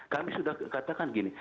kami sudah katakan gini